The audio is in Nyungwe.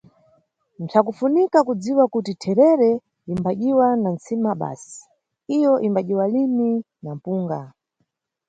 Mpsakufunika kudziwa kuti therere imbadyiwa na ntsima basi, iyo imbadyiwa lini na mpunga.